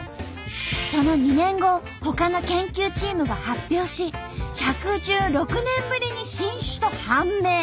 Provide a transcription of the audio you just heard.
その２年後ほかの研究チームが発表し１１６年ぶりに新種と判明。